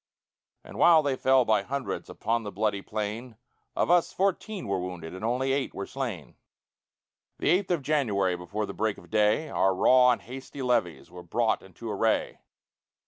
And while they fell by hundreds Upon the bloody plain, Of us, fourteen were wounded And only eight were slain. The eighth of January, Before the break of day, Our raw and hasty levies Were brought into array.